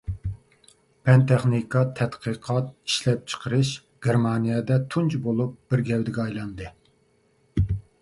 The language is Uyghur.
پەن-تېخنىكا، تەتقىقات ئىشلەپچىقىرىش گېرمانىيەدە تۇنجى بولۇپ بىر گەۋدىگە ئايلاندى.